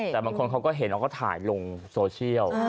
แต่บางคนเขาก็เห็นเขาก็ถ่ายลงโซเชียล